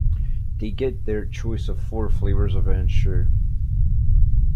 They get their choice of four flavors of Ensure.